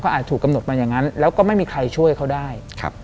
อาจถูกกำหนดมาอย่างนั้นแล้วก็ไม่มีใครช่วยเขาได้